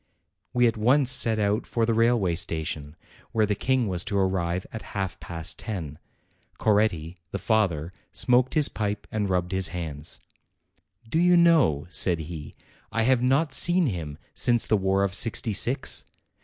We at once set out for the railway station, where the King was to arrive at half past ten. Coretti, the fa ther, smoked his pipe and rubbed his hands. "Do you know," said he, "I have not seen him since the war of 'sixty six?